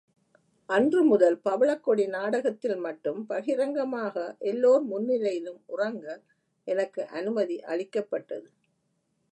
அன்று முதல் பவளக்கொடி நாடகத்தில் மட்டும் பகிரங்கமாக எல்லோர் முன்னிலையிலும் உறங்க எனக்கு அனுமதி யளிக்கப்பட்டது.